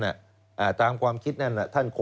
สวัสดีครับคุณผู้ชมค่ะต้อนรับเข้าที่วิทยาลัยศาสตร์